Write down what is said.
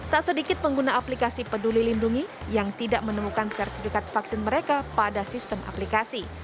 tak sedikit pengguna aplikasi peduli lindungi yang tidak menemukan sertifikat vaksin mereka pada sistem aplikasi